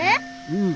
うん。